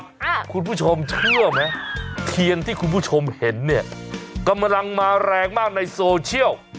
คุณผู้ชมเชื่อไหมเทียนที่คุณผู้ชมเห็นเนี่ยกำลังมาแรงมากในโซเชียล